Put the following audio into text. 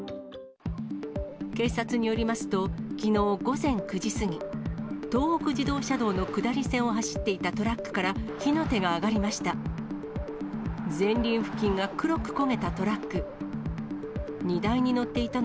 警察によりますと、きのう午前９時過ぎ、東北自動車道の下り線を走っていたトラックから火の手が上がりました。